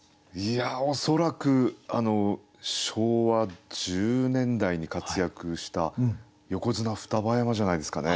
恐らく昭和１０年代に活躍した横綱双葉山じゃないですかね。